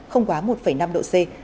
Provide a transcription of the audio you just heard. không quá một năm độ c